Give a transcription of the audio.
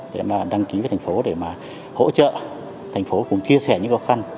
để mà đăng ký với thành phố để mà hỗ trợ thành phố cùng chia sẻ những khó khăn